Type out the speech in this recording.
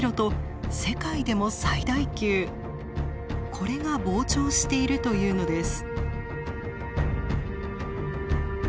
これが膨張しているというのです。